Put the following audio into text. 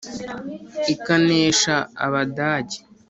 ikanesha abadage :